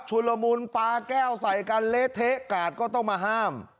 ละมุนปลาแก้วใส่กันเละเทะกาดก็ต้องมาห้าม